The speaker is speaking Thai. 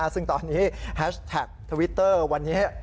ซึ่งตอนนี้แฮชแท็กทวิตเตอร์วันนี้